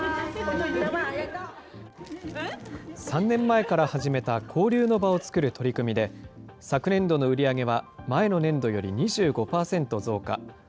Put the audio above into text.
３年前から始めた交流の場を作る取り組みで、昨年度の売り上げは前の年度より２５％増加。